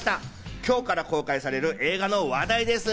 今日から公開される映画の話題です。